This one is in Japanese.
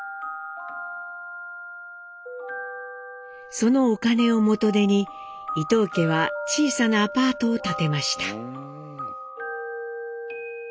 そのお金を元手に伊藤家は小さなアパートを建てました。